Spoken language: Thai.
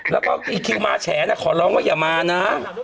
แล้วก็อีคิวมาแฉนะขอร้องว่าอย่ามานะ